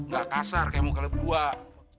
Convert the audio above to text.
gak kasar kayak muka lu buah